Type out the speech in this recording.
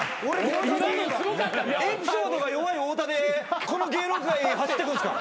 エピソードが弱い太田でこの芸能界走ってくんすか？